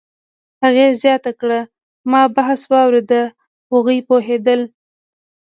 هغې زیاته کړه: "ما بحث واورېد، هغوی پوهېدل